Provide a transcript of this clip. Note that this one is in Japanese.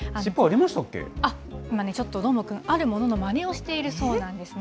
あっ、今ね、ちょっとどーもくん、あるもののまねをしているそうなんですね。